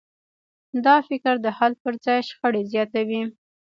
دا فکر د حل پر ځای شخړې زیاتوي.